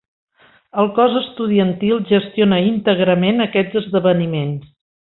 El cos estudiantil gestiona íntegrament aquests esdeveniments.